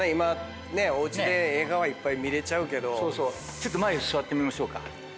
ちょっと前座ってみましょうか。